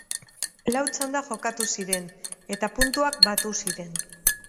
Lau txanda jokatu ziren eta puntuak batu ziren.